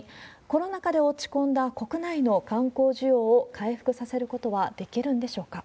コロナ禍で落ち込んだ国内の観光需要を回復させることはできるんでしょうか。